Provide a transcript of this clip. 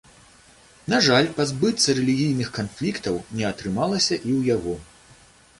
На жаль, пазбыцца рэлігійных канфліктаў не атрымалася і ў яго.